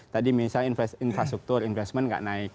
tadi misalnya infrastruktur investment nggak naik